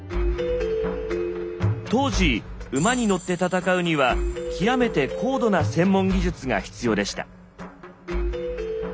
当時馬に乗って戦うには極めて高度な専門技術が必要でした。